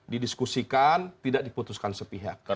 didiskusikan tidak diputuskan sepihak